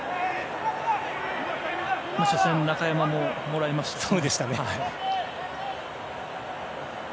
初戦中山ももらいましたからね。